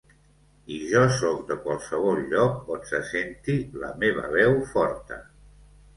I jo sóc de qualsevol lloc on se senti la meva veu forta.